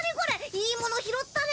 いいもの拾ったね。